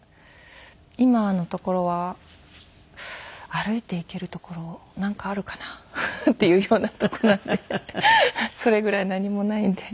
今の所は歩いていける所なんかあるかな？っていうような所なのでそれぐらい何もないので。